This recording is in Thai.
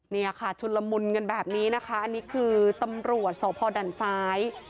เนี่ยค่ะชุนละมุนกันแบบนี้นะคะอันนี้คือตำรวจสพด่านซ้าย